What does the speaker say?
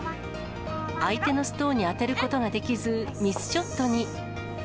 相手のストーンに当てることができず、ミスショットに。